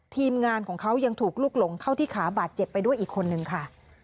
ทีมงานของเขายังถูกลุกหลงเข้าที่ขาบาดเจ็บไปด้วยอีกคนนึงค่ะ